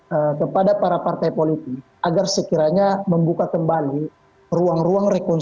tentu saya tentu akan menetapkan kata katanya tentang setidaknya baik dan kata kata lebih ketimbang ke cowok lahircation